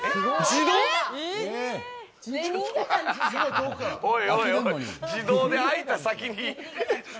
自動で開いた先に。